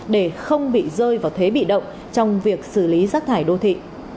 để không bị rơi vào thế bị động trong việc xử lý rác thải đô thị